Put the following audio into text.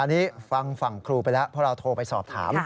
อันนี้ฟังฝั่งครูไปแล้วเพราะเราโทรไปสอบถาม